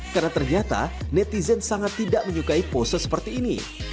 karena ternyata netizen sangat tidak menyukai pose seperti ini